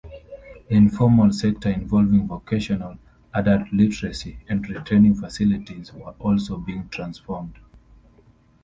The informal sector involving vocational, adult literacy and retraining facilities were also being transformed.